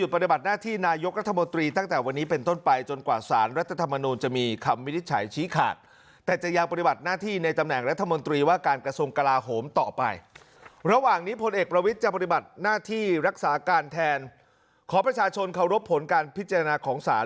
พิจารณ์ปฏิบัติหน้าที่รักษาการแทนขอประชาชนเคารพผลการพิจารณาของสาร